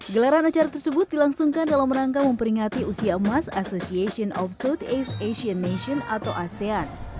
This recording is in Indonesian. gelaran acara tersebut dilangsungkan dalam rangka memperingati usia emas association of southeast asian nation atau asean